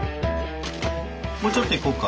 もうちょっといこうか。